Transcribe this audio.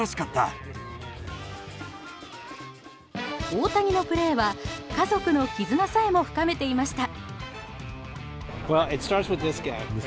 大谷のプレーは家族の絆さえも深めていました。